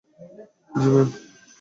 জ্বি, ম্যাম।